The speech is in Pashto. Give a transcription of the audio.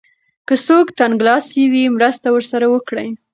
که څوک تنګلاسی وي مرسته ورسره وکړئ.